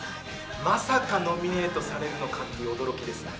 まさかノミネートされるのかっていう驚きですね。